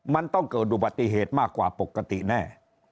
มันต้องเกิดอุบัติเหตุมากกว่าปกติแน่